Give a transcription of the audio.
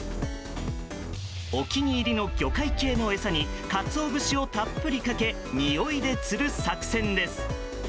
お気に入りの魚介系の餌にカツオ節をたっぷりかけにおいで釣る作戦です。